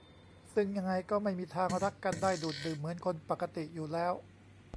ซึ่งยังไงก็ไม่มีทางรักกันได้ดูดดื่มเหมือนคนปกติอยู่แล้ว